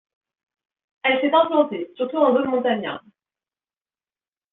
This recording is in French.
Elle s'est implantée surtout en zone montagnarde.